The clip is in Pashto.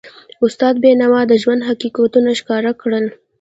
استاد بینوا د ژوند حقیقتونه ښکاره کړل.